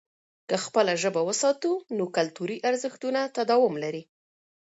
که خپله ژبه وساتو، نو کلتوري ارزښتونه تداوم لري.